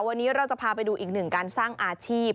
วันนี้เราจะพาไปดูอีกหนึ่งการสร้างอาชีพ